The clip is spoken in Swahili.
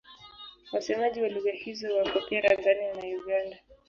Wasemaji wa lugha hizo wako pia Tanzania na Uganda.